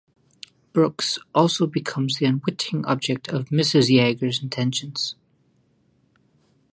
Brooks also becomes the unwitting object of Mrs. Yeager's attentions.